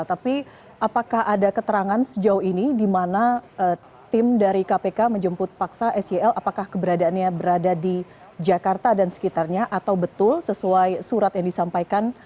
tapi apakah ada keterangan sejauh ini di mana tim dari kpk menjemput paksa sel apakah keberadaannya berada di jakarta dan sekitarnya atau betul sesuai surat yang disampaikan